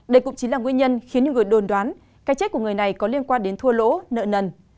đây cũng chính là nguyên nhân khiến người đồn đoán cái chết của người này có liên quan đến thua lỗ nợ nần